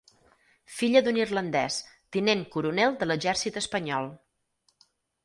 Filla d'un irlandès, tinent coronel de l'exèrcit espanyol.